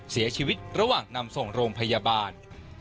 เสียชีวิตระหว่างนำส่งโรงพยาบาล